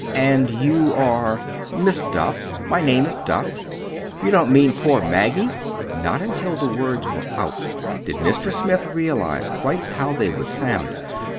"And you are—" "Miss Duff. My name is Duff." "You don't mean—'Poor Maggie'!" (Not until the words were out did Mr. Smith realize quite how they would sound.)